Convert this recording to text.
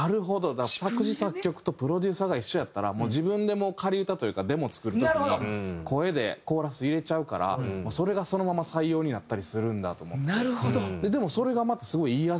だから作詞作曲とプロデューサーが一緒やったら自分で仮歌というかデモ作る時に声でコーラス入れちゃうからそれがそのまま採用になったりするんだと思って。